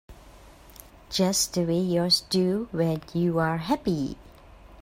Just the way yours do when you're happy.